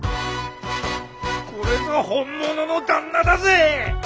これぞ本物の旦那だぜ！